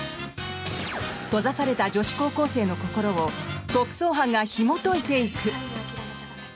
閉ざされた女子高校生の心を特捜班がひもといていく！